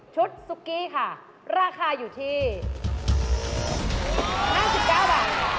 ชุดซุกกี้ค่ะราคาอยู่ที่๕๙บาท